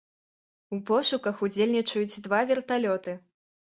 У пошуках удзельнічаюць два верталёты.